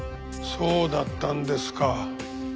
そうだったんですか。